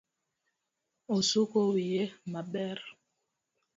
Osuko wiye maber